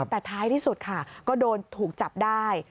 แต่ท้ายที่สุดค่ะก็โดนถูกจับได้